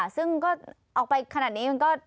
ซึ่งเราไปค่ะธนิดนี่งั้นก็